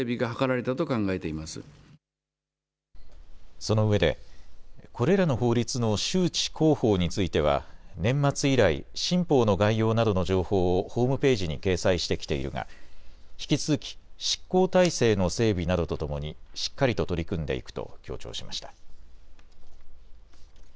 そのうえでこれらの法律の周知・広報については年末以来、新法の概要などの情報をホームページに掲載してきているが引き続き執行体制の整備などとともにしっかりと取り組んでいくと強調しました。